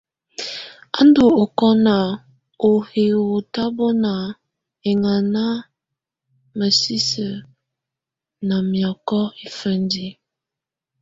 Á ndù ɔkɔna ú hiwǝ́ tabɔnà ɛŋana mǝsisǝ na miɔkɔ ifǝndiǝ.